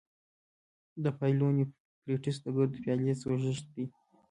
د پايلونیفریټس د ګردو پیالې سوزش دی.